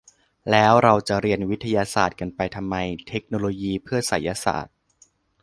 แล้วเราจะเรียนวิทยาศาสตร์กันไปทำไม เทคโนโลยีเพื่อไสยศาสตร์ ?